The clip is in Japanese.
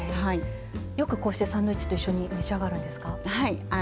よくこうしてサンドイッチと一緒に召し上がるんですか？